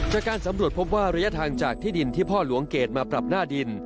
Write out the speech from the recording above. จากการสำรวจพบว่าระยะทางจากที่ดินที่พ่อหลวงเกรดมาปรับหน้าดิน